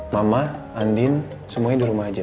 mama andin semuanya di rumah aja